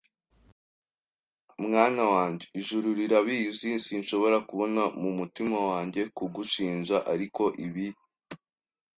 nywa, mwana wanjye. Ijuru rirabizi, sinshobora kubona mu mutima wanjye kugushinja, ariko ibi